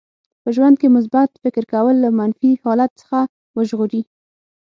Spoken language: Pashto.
په ژوند کې مثبت فکر کول له منفي حالت څخه وژغوري.